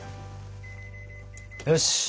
よし！